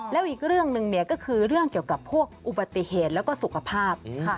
แล้วอีกเรื่องหนึ่งก็คือเรื่องเกี่ยวกับพวกอุบัติเหตุแล้วก็สุขภาพ